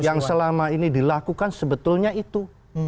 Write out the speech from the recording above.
yang selama ini dilakukan sebetulnya itu